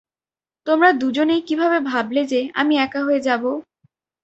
তোমরা দুজনেই কীভাবে ভাবলে যে, আমি একা হয়ে যাবো?